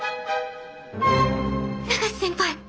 永瀬先輩